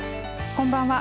こんばんは。